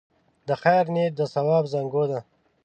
د خیر نیت د ثواب زانګو ده.